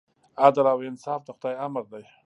عدل او انصاف د خدای امر دی.